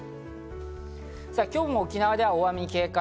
今日も沖縄では大雨に警戒。